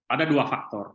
ada dua faktor